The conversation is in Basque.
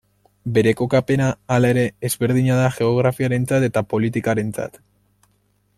Bere kokapena, hala ere, ezberdina da geografiarentzat eta politikarentzat.